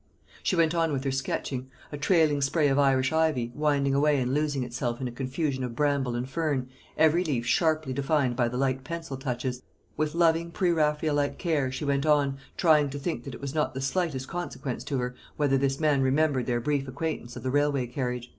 She went on with her sketching a trailing spray of Irish ivy, winding away and losing itself in a confusion of bramble and fern, every leaf sharply defined by the light pencil touches, with loving pre Raphaelite care she went on, trying to think that it was not the slightest consequence to her whether this man remembered their brief acquaintance of the railway carriage.